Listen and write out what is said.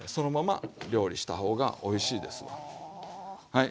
はい。